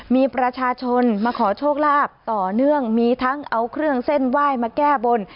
มีประชาชนมาขอโชคลาภต่อเนื่องมีทั้งเอาเครื่องเส้นไหว้มาแก้บน